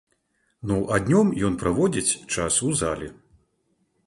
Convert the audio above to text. Ну а днём ён праводзіць час у зале.